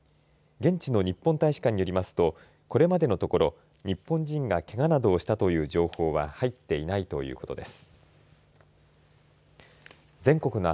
現地の日本大使館によりますとこれまでのところ日本人がけがなどをしたという情報は入っていないということです。